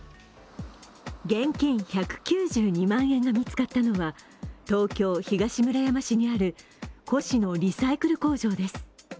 現金１９２万円が見つかったのは東京・東村山市にある古紙のリサイクル工場です。